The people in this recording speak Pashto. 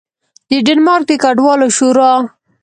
د ډنمارک د کډوالو شورا